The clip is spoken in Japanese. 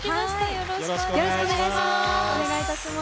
よろしくお願いします。